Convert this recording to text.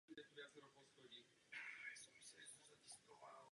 Analýzy vývoje těchto skupin pomohly pochopit jejich tvar a vývoj.